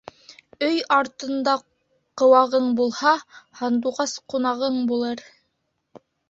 Өй артында ҡыуағың булһа, һандуғас ҡунағың булыр.